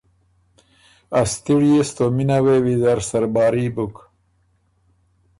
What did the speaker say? ا ستِړيې ستومِنه وې ویزر سرباري بُک۔